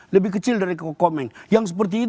lebih kecil dari komeng yang seperti itu